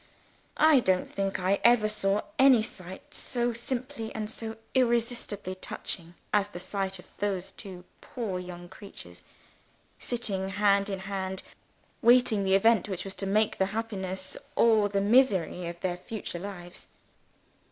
I don't think I ever saw any sight so simply and irresistibly touching as the sight of those two poor young creatures sitting hand in hand, waiting the event which was to make the happiness or the misery of their future lives.